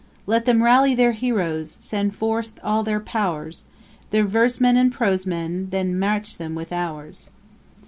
Let them rally their heroes, send forth all their pow'rs, Their verse men and prose men, then match them with ours!